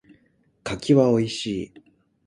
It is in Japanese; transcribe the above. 柿は美味しい。